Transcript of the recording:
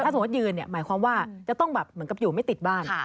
สมมุติยืนเนี่ยหมายความว่าจะต้องแบบเหมือนกับอยู่ไม่ติดบ้าน